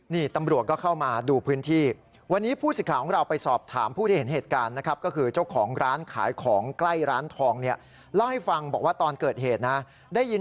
นี่ตำรวจก็เข้ามาดูพื้นที่